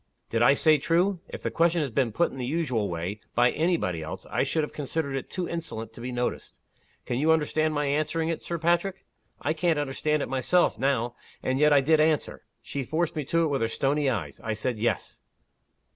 Did I say true?' If the question had been put in the usual way, by any body else, I should have considered it too insolent to be noticed. Can you understand my answering it, Sir Patrick? I can't understand it myself, now and yet I did answer. She forced me to it with her stony eyes. I said 'yes.